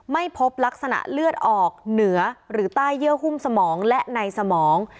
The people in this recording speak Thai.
ไม่พบลักษณะเลือดออกเหนือหรือใต้เยื่อหุ้มสมองและในสมอง